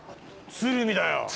鶴見だよ。